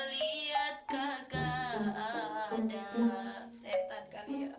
lihat kagak ada setan kalian